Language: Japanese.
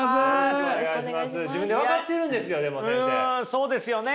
そうですよね。